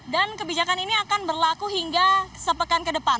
dan kebijakan ini akan berlaku hingga sepekan ke depan